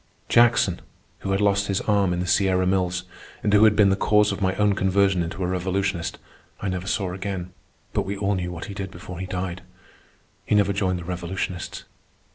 Jackson, who had lost his arm in the Sierra Mills and who had been the cause of my own conversion into a revolutionist, I never saw again; but we all knew what he did before he died. He never joined the revolutionists.